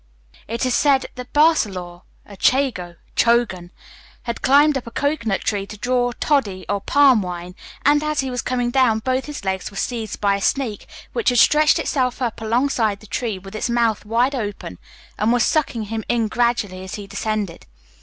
It is said that at Barcelore a chego (Chogan) had climbed up a cocoanut tree to draw toddy or palm wine, and, as he was coming down, both his legs were seized by a snake which had stretched itself up alongside the tree with its mouth wide open, and was sucking him in gradually as he descended.